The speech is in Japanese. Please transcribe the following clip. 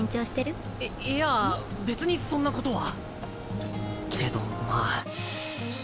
いいや別にそんなことは。